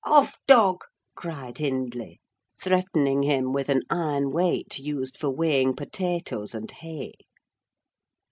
"Off, dog!" cried Hindley, threatening him with an iron weight used for weighing potatoes and hay.